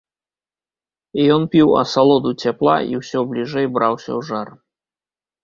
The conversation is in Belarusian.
Ён піў асалоду цяпла і ўсё бліжэй браўся ў жар.